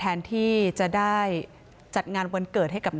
แอมขึ้นเครงนะลูก